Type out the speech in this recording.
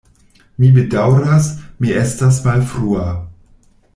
Mi bedaŭras, mi estas malfrua.